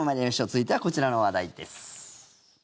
続いてはこちらの話題です。